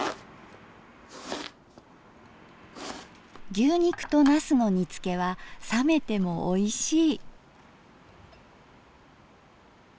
牛肉となすの煮つけは冷めてもおいしい。